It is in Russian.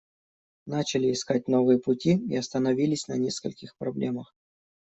Начали искать новые пути и остановились на нескольких проблемах.